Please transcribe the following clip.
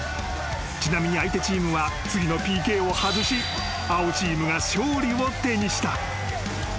［ちなみに相手チームは次のＰＫを外し青チームが勝利を手にした］